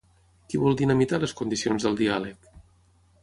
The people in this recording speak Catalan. Qui vol dinamitar les condicions del diàleg?